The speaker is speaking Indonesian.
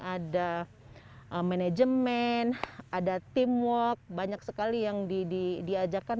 ada manajemen ada teamwork banyak sekali yang diajarkan